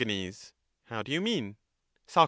How do you mean? Soc.